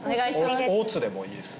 大津でもいいです